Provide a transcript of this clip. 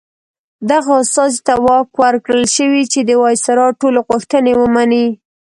دغه استازي ته واک ورکړل شوی چې د وایسرا ټولې غوښتنې ومني.